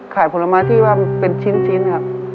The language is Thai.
ขายผลไม้ที่เป็นชิ้นครับ